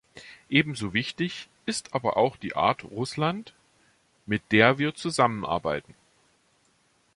Ebenso wichtig ist aber auch die Art Russland, mit der wir zusammenarbeiten.